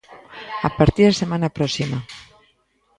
A partir da semana próxima.